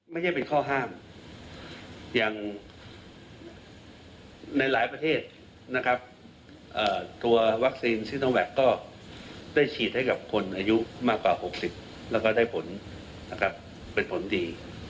ไม่ใช่เป็นข้อห้ามอย่างในหลายประเทศนะครับตัววัคซีนซิโนแวคก็ได้ฉีดให้กับคนอายุมากกว่า๖๐แล้วก็ได้ผลนะครับเป็นผลดี